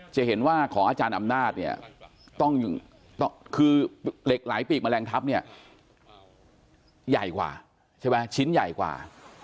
จะเห็นว่าของอาจารย์อำนาจเนี่ยต้องคือเหล็กไหลปีกแมลงทัพเนี่ยใหญ่กว่าใช่ไหมชิ้นใหญ่กว่า